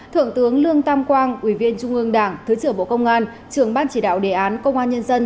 thượng tướng lương tam quang ủy viên trung ương đảng thứ trưởng bộ công an trưởng ban chỉ đạo đề án công an nhân dân